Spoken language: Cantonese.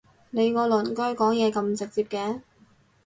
你個鄰居講嘢咁直接嘅？